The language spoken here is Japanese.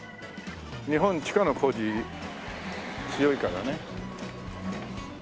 日本地下の工事強いからね。